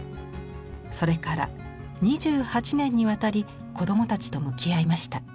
それから２８年にわたり子どもたちと向き合いました。